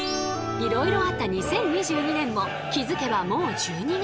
いろいろあった２０２２年も気づけばもう１２月。